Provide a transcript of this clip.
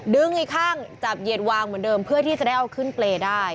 อีกข้างจับเหยียดวางเหมือนเดิมเพื่อที่จะได้เอาขึ้นเปรย์ได้